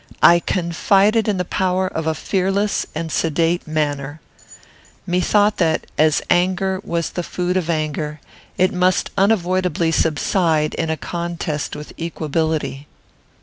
I confided in the power of a fearless and sedate manner. Methought that, as anger was the food of anger, it must unavoidably subside in a contest with equability.